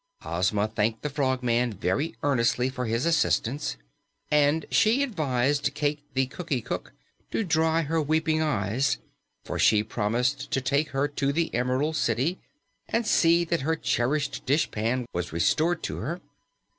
Ozma thanked the Frogman very earnestly for his assistance, and she advised Cayke the Cookie Cook to dry her weeping eyes, for she promised to take her to the Emerald City and see that her cherished dishpan was restored to her.